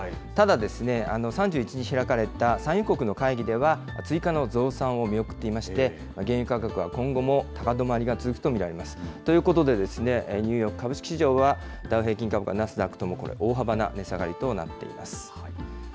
ただ、３１日に開かれた産油国の会議では、追加の増産を見送っていまして、原油価格は今後も高止まりが続くと見られます。ということで、ニューヨーク株式市場はダウ平均株価、ナスダックとも、これ大幅な値下がりとなっています。